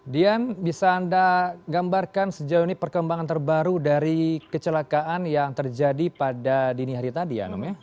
dian bisa anda gambarkan sejauh ini perkembangan terbaru dari kecelakaan yang terjadi pada dini hari tadi ya